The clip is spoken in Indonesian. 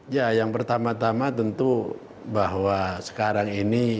ya yang pertama tama tentu bahwa sekarang ini